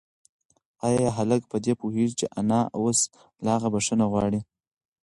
ایا هلک په دې پوهېږي چې انا اوس له هغه بښنه غواړي؟